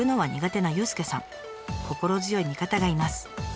心強い味方がいます。